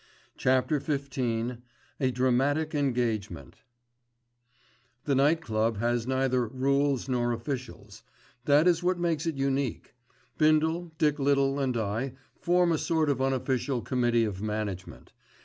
*CHAPTER XV* *A DRAMATIC ENGAGEMENT* The Night Club has neither rules nor officials; that is what makes it unique. Bindle, Dick Little and I form a sort of unofficial committee of management.